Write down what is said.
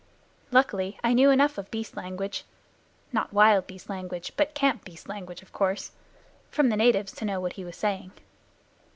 Luckily, I knew enough of beast language not wild beast language, but camp beast language, of course from the natives to know what he was saying.